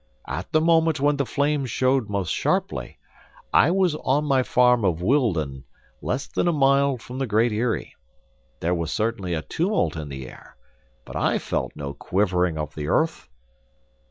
At the moment when the flames showed most sharply, I was on my farm of Wildon, less than a mile from the Great Eyrie. There was certainly a tumult in the air, but I felt no quivering of the earth."